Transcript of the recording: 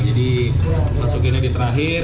jadi masukinnya di terakhir